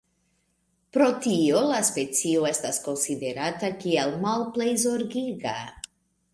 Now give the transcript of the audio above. Pro tio la specio estas konsiderata kiel "Malplej Zorgiga".